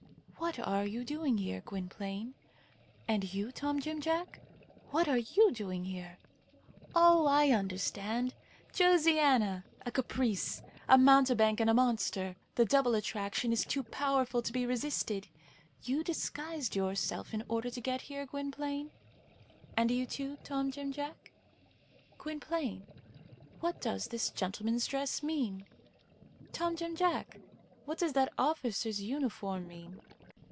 "What are you doing here, Gwynplaine?" "And you, Tom Jim Jack, what are you doing here?" "Oh! I understand. Josiana! a caprice. A mountebank and a monster! The double attraction is too powerful to be resisted. You disguised yourself in order to get here, Gwynplaine?" "And you, too, Tom Jim Jack?" "Gwynplaine, what does this gentleman's dress mean?" "Tom Jim Jack, what does that officer's uniform mean?"